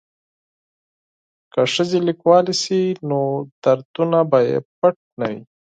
که ښځې لیکوالې شي نو دردونه به یې پټ نه وي.